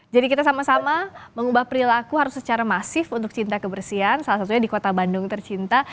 jadi kita sama sama mengubah perilaku harus secara masif untuk cinta kebersihan salah satunya di kota bandung tercinta